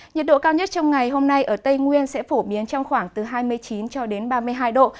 nhiệt độ cao nhất trong ngày hôm nay ở tây nguyên sẽ phổ biến trong khoảng từ hai mươi chín cho đến ba mươi hai độ